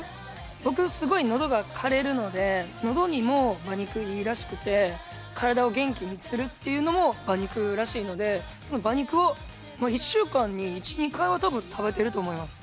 僕、すごいのどがかれるので、のどにも馬肉いいらしくて、体を元気にするというのも馬肉らしいので、その馬肉を１週間に１、２回は、たぶん、食べてると思います。